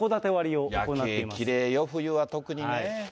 夜景きれいよ、冬は特にね。